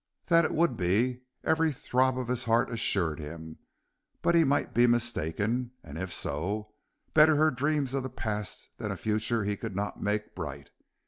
That it would be, every throb of his heart assured him, but he might be mistaken, and if so, better her dreams of the past than a future he could not make bright.